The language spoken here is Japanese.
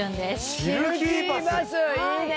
シルキーバスいいね。